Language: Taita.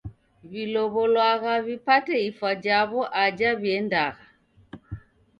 W'ilow'olwagha w'ipate ifwa jaw'o aja w'iendagha.